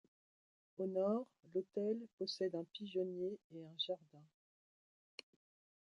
Au nord, l'hôtel possède un pigeonnier et un jardin.